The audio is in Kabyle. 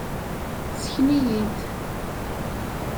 Sken-iyi-d!